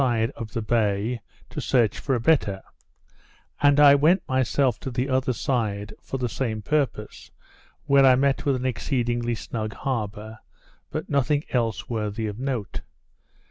side of the bay, to search for a better; and I went myself to the other side, for the same purpose, where I met with an exceedingly snug harbour, but nothing else worthy of notice.